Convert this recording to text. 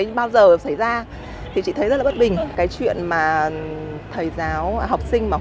nói chuyện bình thường mà